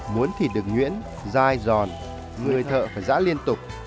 muốn thịt được nhuyễn dai giòn người thợ phải giã liên tục